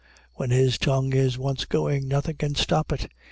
When his tongue is once going nothing can stop it.